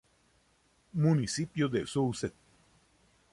Municipio de South St.